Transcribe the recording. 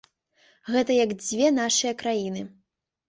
Гэта як дзве нашыя краіны.